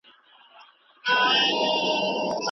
آنلاین زده کړه وخت خوندي کوي.